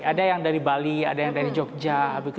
ada yang dari bali ada yang dari jogja